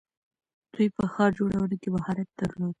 دوی په ښار جوړونه کې مهارت درلود.